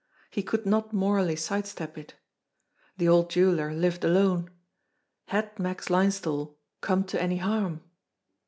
He could not morally side step it. The old jeweller lived alone. Had Max Linesthal come to any harm?